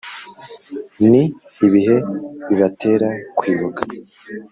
Ni ibihe bibatera kwibuka